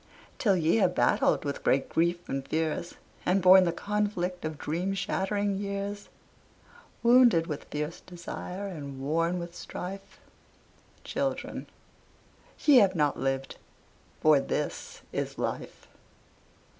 Till ye have battled with great grief and fears, And borne the conflict of dream shattering years, Wounded with fierce desire and worn with strife, Children, ye have not lived: for this is life.